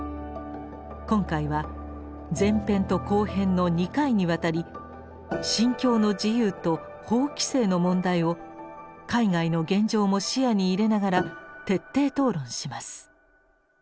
今回は前編と後編の２回にわたり「信教の自由」と法規制の問題を海外の現状も視野に入れながら徹底討論します。